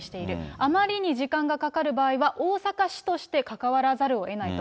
あまりに時間がかかる場合は、大阪市として関わらざるをえないと。